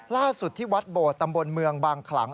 ที่วัดโบดตำบลเมืองบางขลัง